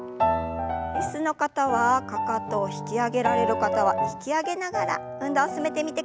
椅子の方はかかとを引き上げられる方は引き上げながら運動を進めてみてください。